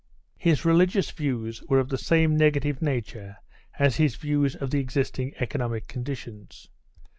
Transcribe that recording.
His religious views were of the same negative nature as his views of the existing economic conditions.